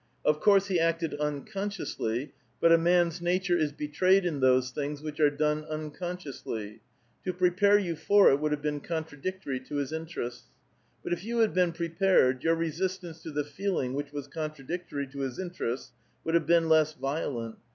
Of course he acted unconsciously, but a man's nature is betrayed in those things which are done uncon sciously. To prepare you for it would have been contradic tory to his interests. But if .you had been prepared, your resistance to the feeling which was contradictor3' to his interests would have been less violent.